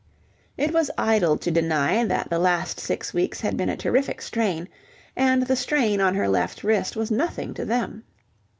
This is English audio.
It was idle to deny that the last six weeks had been a terrific strain, and the strain on her left wrist was nothing to them.